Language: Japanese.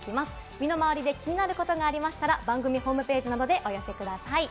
身の回りで気になることがありましたら、番組ホームページなどへお寄せください。